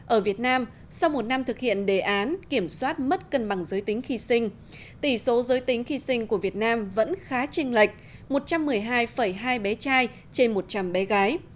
ở việt nam sau một năm thực hiện đề án kiểm soát mất cân bằng giới tính khi sinh tỷ số giới tính khi sinh của việt nam vẫn khá tranh lệch một trăm một mươi hai hai bé trai trên một trăm linh bé gái